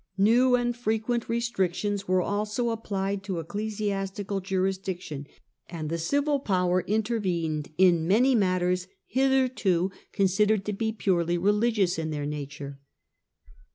New and frequent restrictions were also applied to ecclesiastical jurisdiction, and the civil power intervened in many matters hitherto considered to be purely religious in their nature.